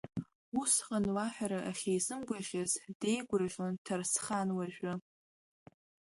Усҟан лаҳәара ахьизымгәаӷьыз деигәырӷьон Ҭарсхан уажәы.